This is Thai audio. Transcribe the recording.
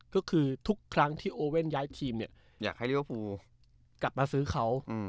ก็คือทุกครั้งที่โอเว่นย้ายทีมเนี่ยอยากให้ลิเวอร์ฟูกลับมาซื้อเขา